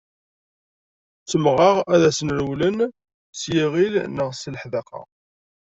Ttemmɣeɣ ad asen-rewlen s yiɣil neɣ s leḥdaqa.